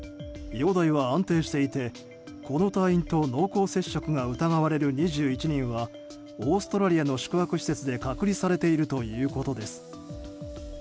容体は安定していて、この隊員と濃厚接触が疑われる２１人はオーストラリアの宿泊施設で隔離されているということです。